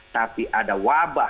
tapi ada wabah